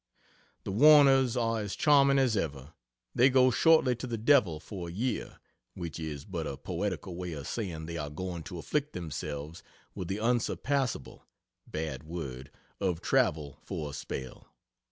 The Warners are as charming as ever. They go shortly to the devil for a year (which is but a poetical way of saying they are going to afflict themselves with the unsurpassable (bad word) of travel for a spell.)